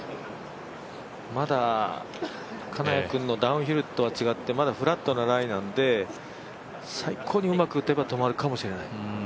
まだ、金谷君のダウンヒルとは違ってまだフラットなライなんで最高にうまく打てば止まるかもしれない。